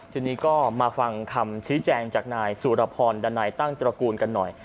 ทีนี้ก็มาฟังคำชี้แจงจากนายสุรพรดันัยตั้งตระกูลกันหน่อย